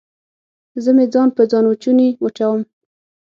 زه مې ځان په ځانوچوني وچوم